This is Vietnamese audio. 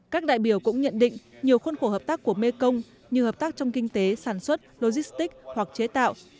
các đại biểu cũng nhận định nhiều khuôn khổ hợp tác của mekong như hợp tác trong kinh tế sản xuất logistic hoặc chế tạo